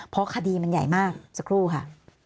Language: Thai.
เพราะคดีมันใหญ่มากสักครู่ค่ะ